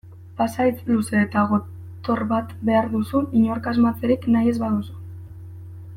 Pasahitz luze eta gotor bat behar duzu inork asmatzerik nahi ez baduzu.